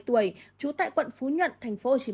trú tại quận phú nhuận tp hcm